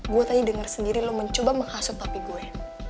gue tadi denger sendiri lo mencoba menghasut papi gue